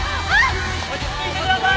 落ち着いてください